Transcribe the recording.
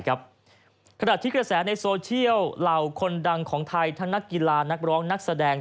ขณะที่กระแสในโซเชียลเหล่าคนดังของไทยทั้งนักกีฬานักร้องนักแสดง